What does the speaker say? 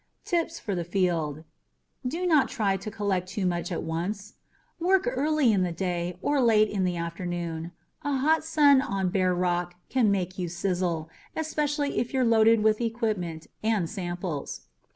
Tips For The Field Don't try to collect too much at once. Work early in the day or late in the afternoon. A hot sun on bare rock can make you sizzle especially if you're loaded with equipment and samples.